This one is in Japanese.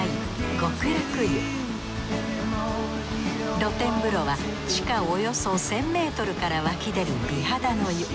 露天風呂は地下およそ１，０００ｍから湧き出る美肌の湯。